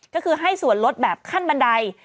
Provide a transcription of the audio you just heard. ก็คือให้ส่วนลดแบบขั้นบันได